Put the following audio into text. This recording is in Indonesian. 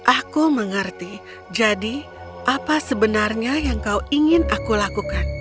aku mengerti jadi apa sebenarnya yang kau ingin aku lakukan